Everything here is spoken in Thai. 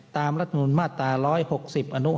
ตามรัฐมนูลมาตร๑๖๐วัก๑อนุ๕